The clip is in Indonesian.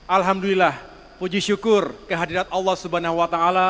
alhamdulillah puji syukur kehadirat allah swt